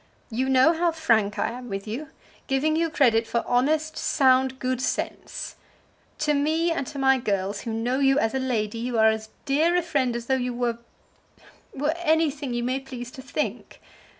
You know how frank I am with you, giving you credit for honest, sound good sense. To me and to my girls, who know you as a lady, you are as dear a friend as though you were were anything you may please to think.